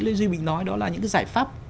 lê duy bình nói đó là những cái giải pháp